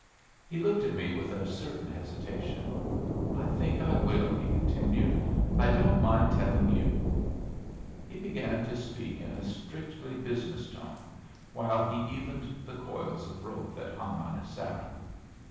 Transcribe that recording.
He looked at me with a certain hesitation. "I think I will," he continued. "I don't mind tellin' you." He began to speak in a strictly business tone, while he evened the coils of rope that hung on his saddle.